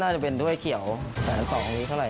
น่าจะเป็นถ้วยเขียวแสน๒นี้เท่าไร